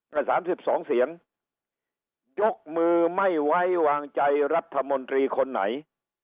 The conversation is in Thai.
แต่สามสิบสองเสียงยกมือไม่ไว้วางใจรัฐมนตรีคนไหน